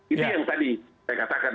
itu yang tadi saya katakan